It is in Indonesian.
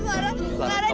lara jangan gerak ya